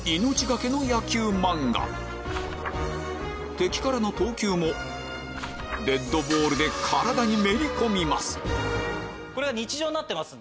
敵からの投球もデッドボールで体にめり込みます